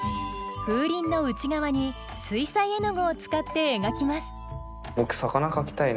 風鈴の内側に水彩絵の具を使って描きます